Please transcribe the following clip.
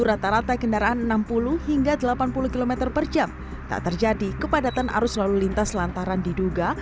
rata rata kendaraan enam puluh hingga delapan puluh km per jam tak terjadi kepadatan arus lalu lintas lantaran diduga